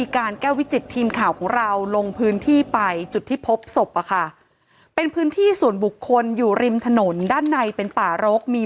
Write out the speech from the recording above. การแก้ววิจิตทีมข่าวของเราลงพื้นที่ไปจุดที่พบศพอะค่ะเป็นพื้นที่ส่วนบุคคลอยู่ริมถนนด้านในเป็นป่ารกมี